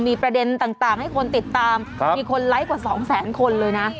มีประเด็นต่างต่างให้คนติดตามครับมีคนไลท์กว่าสองแสนคนเลยน่ะ